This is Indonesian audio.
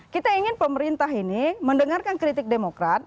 kita ingin pemerintah ini mendengarkan kritik demokrat